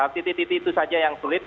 titik titik itu saja yang sulit